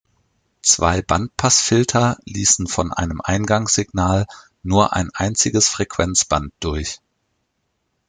Zwei Bandpassfilter ließen von einem Eingangssignal nur ein einziges Frequenzband durch.